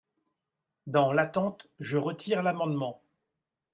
Dans l’attente, je retire l’amendement.